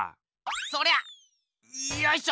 そりゃよいしょ。